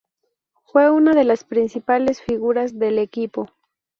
Fue una de las principales figuras del equipo.